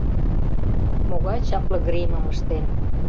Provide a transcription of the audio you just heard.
Могай чапле гримым ыштен.